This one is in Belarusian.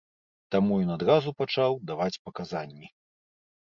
Таму ён адразу пачаў даваць паказанні.